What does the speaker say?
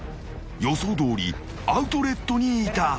［予想どおりアウトレットにいた］